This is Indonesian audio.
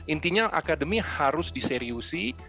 intinya akademi harus diseriusi